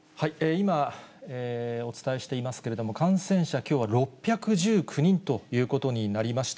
今、お伝えしていますけれども、感染者、きょうは６１９人ということになりました。